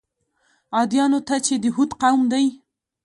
عادیانو ته چې د هود قوم دی.